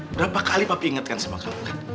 berapa kali papi ingatkan sama kamu kan